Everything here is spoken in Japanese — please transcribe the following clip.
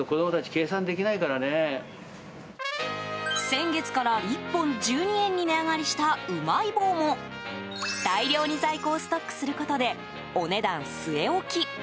先月から１本１２円に値上がりした、うまい棒も大量に在庫をストックすることでお値段据え置き。